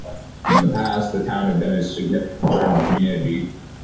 In the past the town had a significant German community.